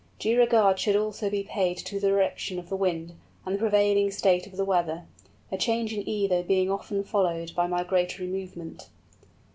Due regard should also be paid to the direction of the wind, and the prevailing state of the weather—a change in either being often followed by migratory movement.